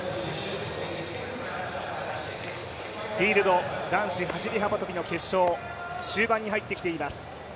フィールド男子走幅跳の決勝、終盤に入ってきています。